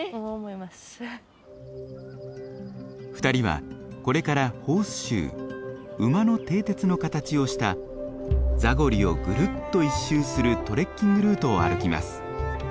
２人はこれからホースシュー馬の蹄鉄の形をしたザゴリをぐるっと一周するトレッキングルートを歩きます。